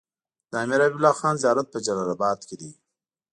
د امير حبيب الله خان زيارت په جلال اباد کی دی